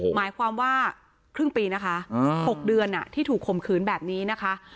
หมายความว่าครึ่งปีนะคะ๖เดือนที่ถูกข่มขืนแบบนี้นะคะ